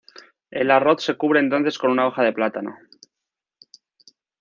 El arroz se cubre entonces con una hoja de plátano.